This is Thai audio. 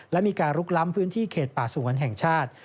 และมีการลุกล้ำพื้นที่เขตป่าสงวนแห่งชาติ